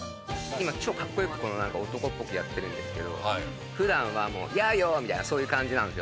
超かっこよく男っぽくやってるんですけど、普段はやよみたいな、そういう感じ。